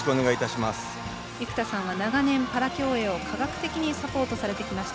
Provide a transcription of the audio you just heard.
生田さんは長年パラ競泳を科学的にサポートされてきました。